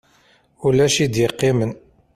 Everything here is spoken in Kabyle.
Ulac i d-yeqqimen.